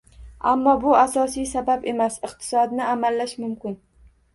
Ammo bu asosiy sabab emas. Iqtisodni amallash mumkin